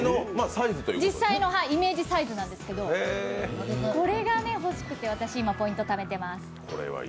実際のイメージサイズなんですけど、これが欲しくて私、今ポイントためてます。